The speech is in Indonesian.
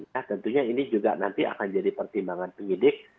nah tentunya ini juga nanti akan jadi pertimbangan penyidik